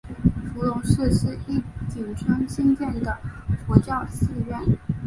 伏龙寺是义井村兴建的佛教寺院。